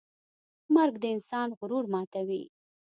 مرګ د انسان غرور ماتوي.